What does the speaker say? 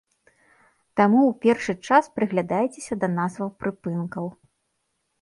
Таму ў першы час прыглядайцеся да назваў прыпынкаў.